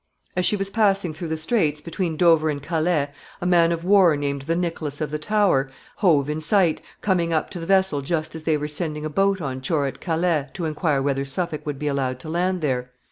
As she was passing through the Straits, between Dover and Calais, a man of war named the Nicholas of the Tower, hove in sight, coming up to the vessel just as they were sending a boat on shore at Calais to inquire whether Suffolk would be allowed to land there.